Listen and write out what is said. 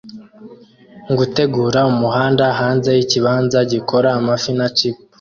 Gutegura umuhanda hanze yikibanza gikora amafi na chipi